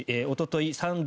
おととい